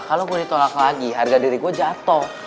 kalau gue ditolak lagi harga diri gue jatuh